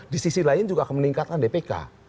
di sisi lain juga akan meningkatkan dpk